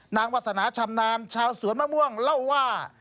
วาสนาชำนาญชาวสวนมะม่วงเล่าว่า